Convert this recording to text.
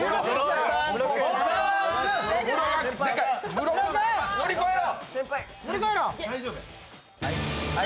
室君、乗り越えろ！